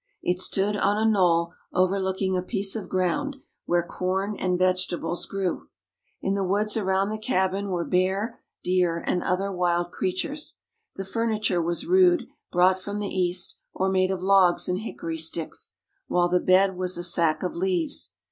It stood on a knoll overlooking a piece of ground where corn and vegetables grew. In the woods around the cabin were bear, deer, and other wild creatures. The furniture was rude, brought from the East, or made of logs and hickory sticks, while the bed was a sack of leaves.